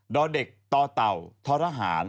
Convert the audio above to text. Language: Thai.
อเด็กต่อเต่าทรหาร